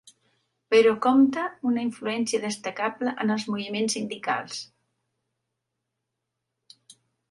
Però, compta una influència destacable en els moviments sindicals.